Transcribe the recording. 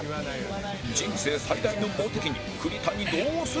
人生最大のモテ期に栗谷どうする？